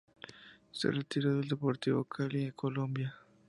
Se retiró del Deportivo Cali de Colombia.